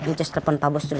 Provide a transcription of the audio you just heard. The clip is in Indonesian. njus telepon pak bos dulu ya